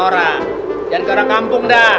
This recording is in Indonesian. jangan ke orang kampung dah